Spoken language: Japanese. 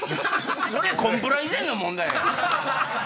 それコンプラ以前の問題やな。